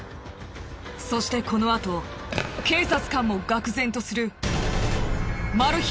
そしてこのあと警察官も愕然とするマル秘